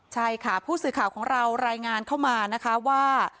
ใช่ค่ะผู้สื่อข่าวของเรารายงานเข้ามานะคะว่า